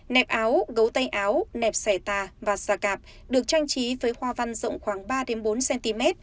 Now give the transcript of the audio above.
nẹp áo gấu tay áo nẹp sẻ tà và xà cạp được trang trí với hoa văn rộng khoảng ba bốn cm